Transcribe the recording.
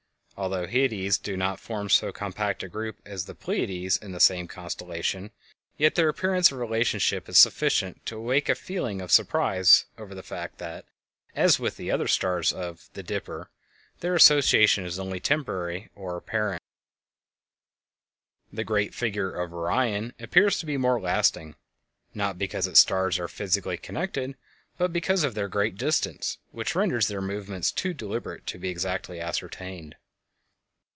Although the Hyades do not form so compact a group as the Pleiades in the same constellation, yet their appearance of relationship is sufficient to awaken a feeling of surprise over the fact that, as with the stars of the "Dipper," their association is only temporary or apparent. [Illustration: The "Northern Crown"] The great figure of Orion appears to be more lasting, not because its stars are physically connected, but because of their great distance, which renders their movements too deliberate to be exactly ascertained.